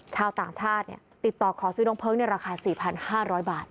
ชาวต่างชาติติดต่อขอซื้อน้องเพลิงในราคา๔๕๐๐บาท